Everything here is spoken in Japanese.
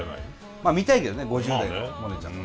まあ見たいけどね５０代のモネちゃんも。